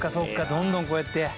どんどん、こうやって。